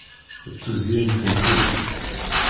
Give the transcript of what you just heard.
D tuzyint n tidet